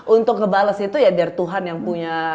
untuk kebales itu ya biar tuhan yang punya